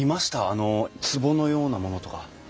あのつぼのようなものとか。